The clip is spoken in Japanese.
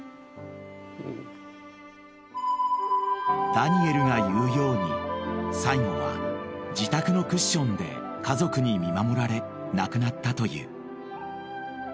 ［ダニエルが言うように最期は自宅のクッションで家族に見守られ亡くなったという］